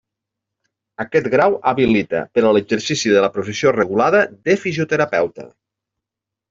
Aquest grau habilita per a l'exercici de la professió regulada de fisioterapeuta.